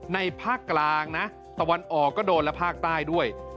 ภาคกลางนะตะวันออกก็โดนและภาคใต้ด้วย